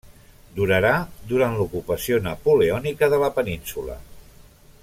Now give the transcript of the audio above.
Durarà durant l'ocupació napoleònica de la península.